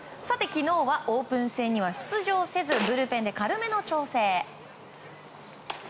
昨日はオープン戦には出場せずブルペンで軽めの調整。